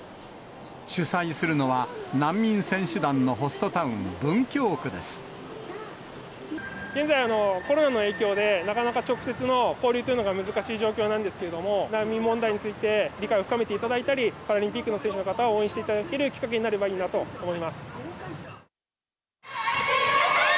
主催するのは、難民選手団のホス現在、コロナの影響で、なかなか直接の交流というのが難しい状況なんですけれども、難民問題について理解を深めていただいたり、パラリンピックの選手の方を応援していただけるきっかけになればいいなと思います。